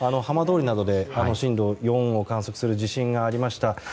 浜通りなどで震度４を観測する地震がありました。